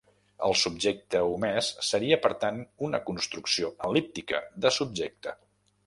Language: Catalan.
El subjecte omès seria per tant una construcció el·líptica de subjecte.